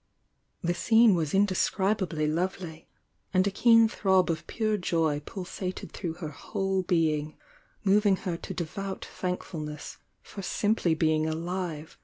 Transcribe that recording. The scene was indescribably lovely, and a keen throb of pure joy pulsated through her whole being, moving her to devout thankfulness for simply being alive